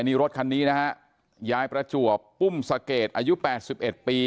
อันนี้รถคันนี้นะฮะยายประจวบปุ้มสะเกตอายุแปดสิบเอ็ดปี